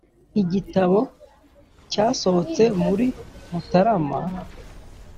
Igitabo cyasohotse muri Mutarama